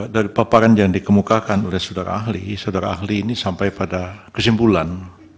dari paparan yang dikemukakan oleh saudara ahli saudara ahli ini sampai pada kesimpulan